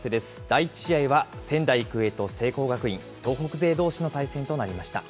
第１試合は仙台育英と聖光学院、東北勢どうしの対戦となりました。